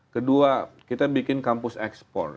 kedua kita bikin kampus ekspor